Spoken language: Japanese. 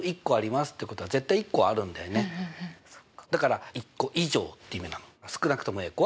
だから１個以上って意味なの。